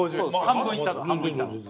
半分いった半分いった。